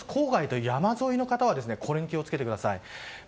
もう１つ、郊外の山沿いの方はこれに気を付けてください。